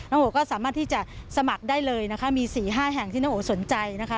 โอก็สามารถที่จะสมัครได้เลยนะคะมี๔๕แห่งที่น้องโอสนใจนะคะ